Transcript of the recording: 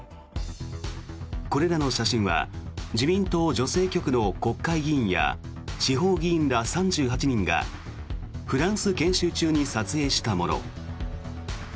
これらの写真は自民党女性局の国会議員や地方議員ら３８人がフランス研修中に撮影したもの。